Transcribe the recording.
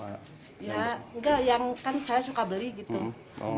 ya enggak yang kan saya suka beli gitu